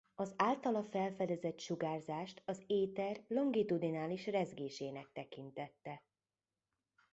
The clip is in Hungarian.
Az általa felfedezett sugárzást az éter longitudinális rezgésének tekintette.